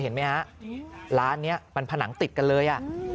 เห็นไหมฮะร้านนี้มันผนังติดกันเลย